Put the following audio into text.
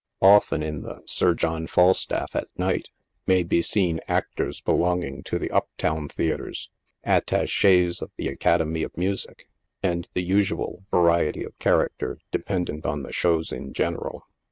Often, in the Sir John Falstaff, at night, may be seen actors belonging to the up town theatres, attaches'of the Academy of Music, and the usual va riety of character dependent on the shows in general.